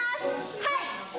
はい！